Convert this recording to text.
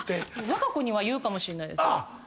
わが子には言うかもしれないです。